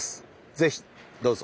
是非どうぞ！